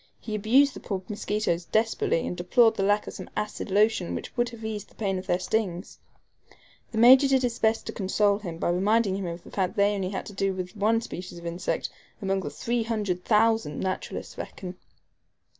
He abused the poor mosquitoes desperately, and deplored the lack of some acid lotion which would have eased the pain of their stings. The Major did his best to console him by reminding him of the fact that they had only to do with one species of insect, among the 300,000 naturalists reckon.